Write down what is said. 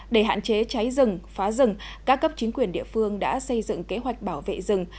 để hạn chế cháy rừng phá rừng các cấp chính quyền địa phương đã xây dựng kế hoạch bảo vệ rừng